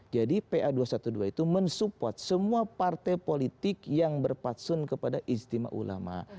jadi pa dua ratus dua belas itu mensupport semua partai politik yang berpatsun kepada izdima ulama